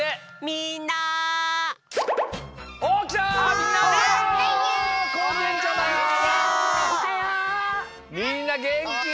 みんなげんき。